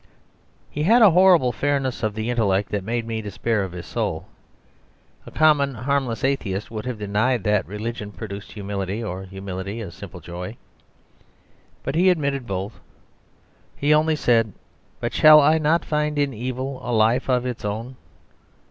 He had a horrible fairness of the intellect that made me despair of his soul. A common, harmless atheist would have denied that religion produced humility or humility a simple joy: but he admitted both. He only said, "But shall I not find in evil a life of its own?